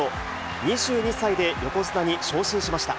２２歳で横綱に昇進しました。